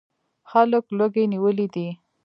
خلک لوږې نیولي دي.